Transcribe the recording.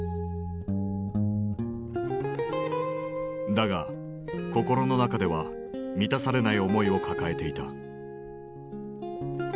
だが心の中では満たされない思いを抱えていた。